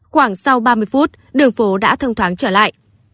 khoảng sau ba mươi phút đường phố đã thông thoáng trở lại